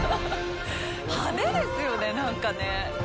派手ですよね、なんかね。